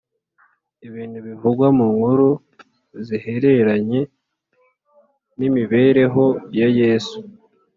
Ibintu bivugwa mu nkuru zihereranye n imibereho ya yesu